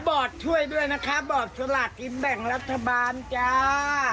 บอร์ดช่วยด้วยนะคะบอร์ดสลากินแบ่งรัฐบาลจ้า